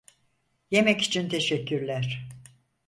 Yemek için teşekkürler.